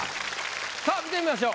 さぁ見てみましょう。